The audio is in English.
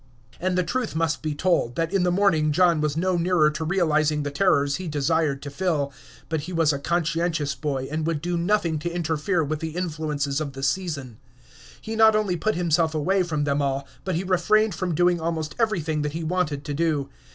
And the truth must be told, that in the morning John was no nearer to realizing the terrors he desired to feel. But he was a conscientious boy, and would do nothing to interfere with the influences of the season. He not only put himself away from them all, but he refrained from doing almost everything that he wanted to do.